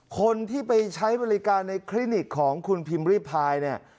คนที่ไปใช้บริการในคลินิกของคุณพิมพ์ริพายเนี่ย